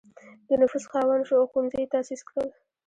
د نفوذ خاوند شو او ښوونځي یې تأسیس کړل.